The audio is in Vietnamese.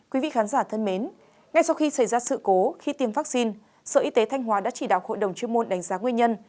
quý vị khán giả thân mến ngay sau khi xảy ra sự cố khi tiêm vaccine sở y tế thanh hóa đã chỉ đạo hội đồng chuyên môn đánh giá nguyên nhân